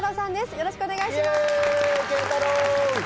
よろしくお願いします。